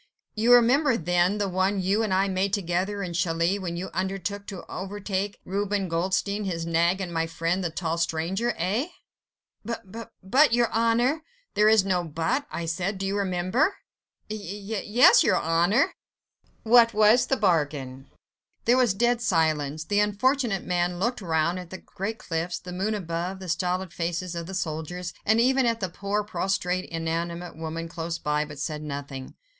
"You remember, then, the one you and I made together in Calais, when you undertook to overtake Reuben Goldstein, his nag and my friend the tall stranger? Eh?" "B ... b ... but ... your Honour ..." "There is no 'but.' I said, do you remember?" "Y ... y ... y ... yes ... your Honour!" "What was the bargain?" There was dead silence. The unfortunate man looked round at the great cliffs, the moon above, the stolid faces of the soldiers, and even at the poor, prostrate, inanimate woman close by, but said nothing.